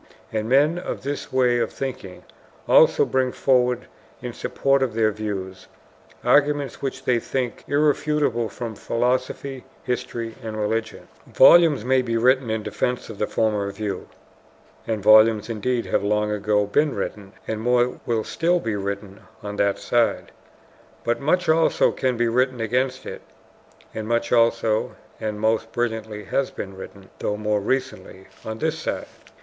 And men of this way of thinking also bring forward in support of their views arguments which they think irrefutable from philosophy, history, and religion. Volumes may be written in defense of the former view (and volumes indeed have long ago been written and more will still be written on that side), but much also can be written against it (and much also, and most brilliantly, has been written though more recently on this side).